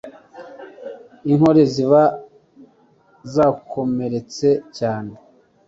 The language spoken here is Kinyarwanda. inkore ziba zakomeretse cyane